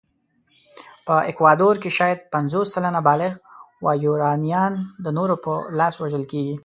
په اکوادور کې شاید پنځوس سلنه بالغ وایورانيان د نورو په لاس وژل کېږي.